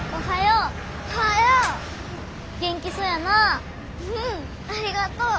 うんありがとう。